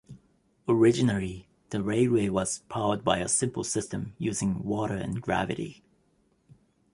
Originally the railway was powered by a simple system using water and gravity.